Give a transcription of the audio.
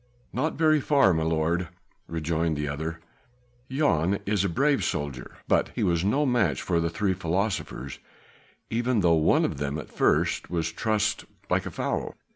"Not very far, my lord," rejoined the other. "Jan is a brave soldier but he was no match for three philosophers, even though one of them at first was trussed like a fowl.